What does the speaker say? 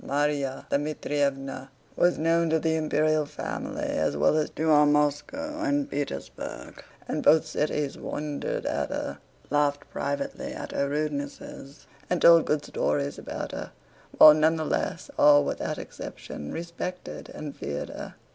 Márya Dmítrievna was known to the Imperial family as well as to all Moscow and Petersburg, and both cities wondered at her, laughed privately at her rudenesses, and told good stories about her, while none the less all without exception respected and feared her.